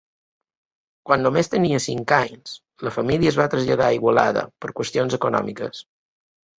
Quan només tenia cinc anys, la família es va traslladar a Igualada per qüestions econòmiques.